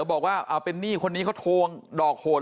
บอกว่าเอาเป็นหนี้คนนี้เขาทวงดอกโหด